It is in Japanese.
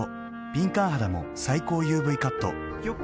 敏感肌も最高ＵＶカット。